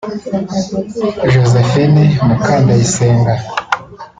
Josephine Mukandayisenga